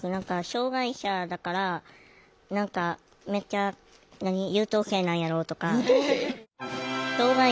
障害者だから何かめっちゃ優等生なんやろとか。